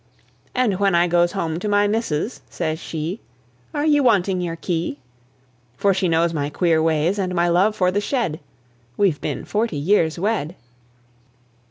And when I goes home to my missus, says she, "Are ye wanting your key?" For she knows my queer ways, and my love for the shed (We've been forty years wed).